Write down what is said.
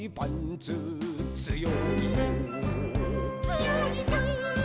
「つよいぞ」